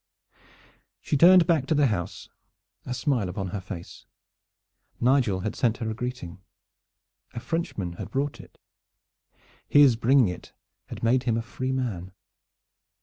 She turned back to the house, a smile upon her face. Nigel had sent her greeting. A Frenchman had brought it. His bringing it had made him a freeman.